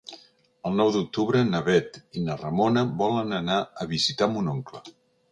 El nou d'octubre na Bet i na Ramona volen anar a visitar mon oncle.